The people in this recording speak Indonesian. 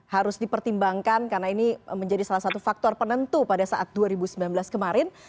harus dipertimbangkan karena ini menjadi salah satu faktor penentu pada saat dua ribu sembilan belas kemarin